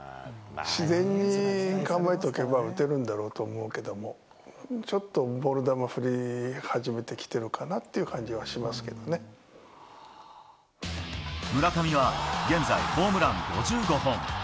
自然に構えておけば打てるだろうと思うんだけれども、ちょっとボール球振り始めてきてるかなっていう感じはしますけど村上は現在、ホームラン５５本。